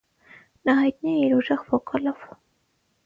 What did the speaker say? Նա հայտնի է իր ուժեղ վոկալով։